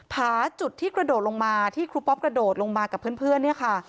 ผาจุดที่กระโดดลงมาที่ครูปอ๊อปกระโดดลงมากับเพื่อนเนี่ยค่ะ